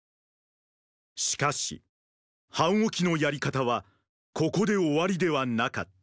しかし樊於期のやり方はここで終わりではなかった。